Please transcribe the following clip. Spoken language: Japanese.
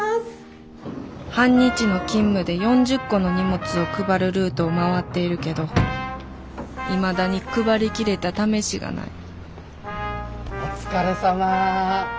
半日の勤務で４０個の荷物を配るルートを回っているけどいまだに配りきれたためしがないお疲れさま。